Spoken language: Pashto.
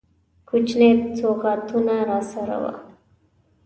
کوچني سوغاتونه راسره وه.